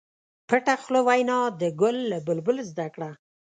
پټه خوله وینا د ګل له بلبل زده کړه.